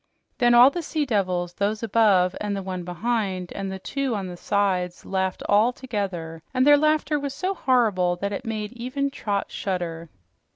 Then all the sea devils those above and the one behind, and the two on the sides laughed all together, and their laughter was so horrible that it made even Trot shudder.